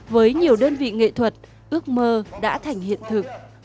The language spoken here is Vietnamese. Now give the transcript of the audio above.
với nhiều đơn vị nghệ thuật ước mơ đã thành hiện thực